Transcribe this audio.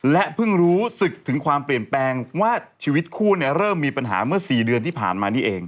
และเพิ่งรู้สึกถึงความเปลี่ยนแปลงว่าชีวิตคู่เริ่มมีปัญหาเมื่อ๔เดือนที่ผ่านมานี่เอง